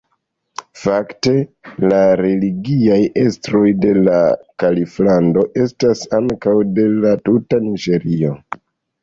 Fakte la religiaj estroj de la kaliflando estas ankaŭ de la tuta Niĝerio.